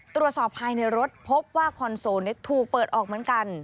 ตรวจสอบภายในรถพบว่าคอนโซลถูกเปิดออกเหมือนกัน